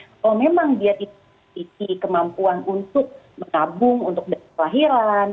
kalau memang dia tidak memiliki kemampuan untuk menabung untuk data kelahiran